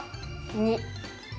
２。